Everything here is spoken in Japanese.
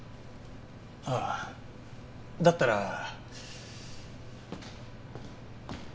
ああだったら。